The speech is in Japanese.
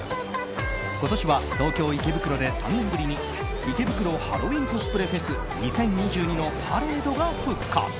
今年は東京・池袋で３年ぶりに池袋ハロウィンコスプレフェス２０２２のパレードが復活。